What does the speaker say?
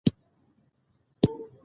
د قانون تطبیق د نظم سبب ګرځي.